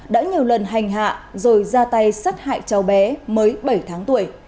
đã nhiều lần hành hạ rồi ra tay sát hại cháu bé mới bảy tháng tuổi